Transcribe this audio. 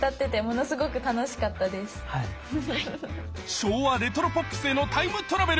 昭和レトロポップスへのタイムトラベル